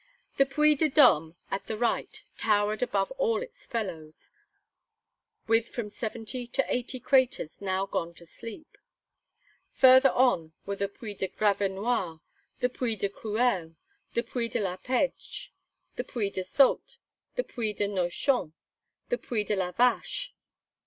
The Puy de Dome, at the right, towered above all its fellows, with from seventy to eighty craters now gone to sleep. Further on were the Puy de Gravenoire, the Puy de Crouel, the Puy de la Pedge, the Puy de Sault, the Puy de Noschamps, the Puy de la Vache.